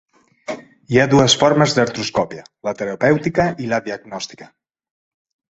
Hi ha dues formes d'artroscòpia: la terapèutica i la diagnòstica.